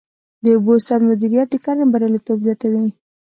د اوبو سم مدیریت د کرنې بریالیتوب زیاتوي.